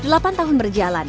delapan tahun berjalan